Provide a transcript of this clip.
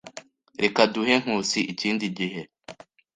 Reka duhe Nkusi ikindi gihe.